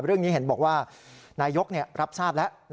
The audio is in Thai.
เรื่องนี้เห็นบอกว่านายกรับทราบแล้ว